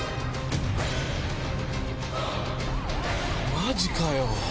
マジかよ？